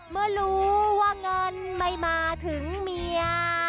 เมื่อรู้ว่าเงินไม่มาถึงเมีย